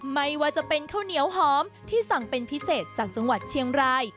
ไม่ว่าจะเป็นข้าวเหนียวหอมที่สั่งเป็นพิเศษจากจังหวัดเชียงราย